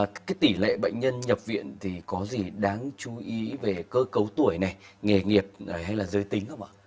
và cái tỷ lệ bệnh nhân nhập viện thì có gì đáng chú ý về cơ cấu tuổi này nghề nghiệp hay là giới tính không ạ